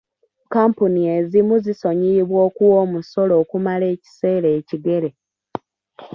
Kkampuni ezimu zisonyiyibwa okuwa omusolo okumala ekiseera ekigere.